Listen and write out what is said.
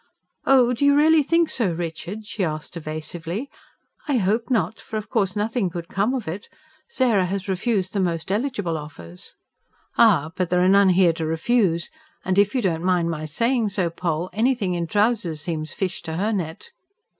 "Oh, do you really think so, Richard?" she asked evasively. "I hope not. For of course nothing could come of it. Sarah has refused the most eligible offers." "Ah, but there are none here to refuse. And if you don't mind my saying so, Poll, anything in trousers seems fish to her net!"